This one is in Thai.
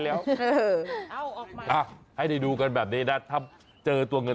ชาวว่าเขาบอกไอ้เจ้าตัวนี้